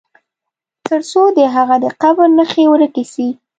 تر څو د هغه د قبر نښي ورکي سي.